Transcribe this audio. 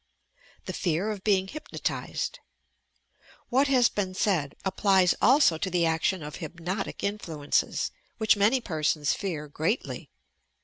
THE FEAR OP BEING HTPNOTIZED What has been said applies also to the action of hyp notic influences, which many persons fear greatly.